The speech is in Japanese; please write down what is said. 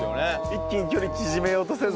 一気に距離縮めようとせず。